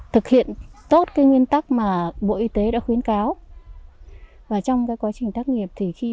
thực hiện tốt cái nguyên tắc mà bộ y tế đã khuyến cáo và trong cái quá trình tác nghiệp thì khi